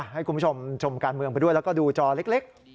ให้คุณผู้ชมชมการเมืองไปด้วยแล้วก็ดูจอเล็ก